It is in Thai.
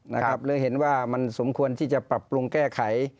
หรือเห็นว่ามันสมควรที่จะปรับปรุงแก้ไข